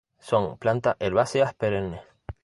Son planta herbáceas perennes.